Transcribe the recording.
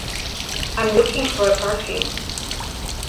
I’m looking for a perfume.